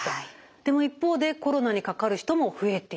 でも一方でコロナにかかる人も増えていると。